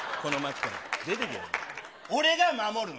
俺が守るの。